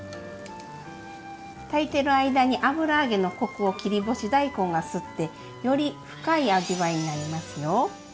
炊いてる間に油揚げのコクを切り干し大根が吸ってより深い味わいになりますよ。